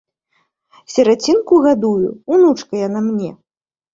Сірацінку гадую, унучка яна мне.